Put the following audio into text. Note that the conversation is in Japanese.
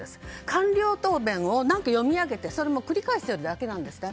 官僚答弁を読み上げて、それも繰り返しているだけなんですね。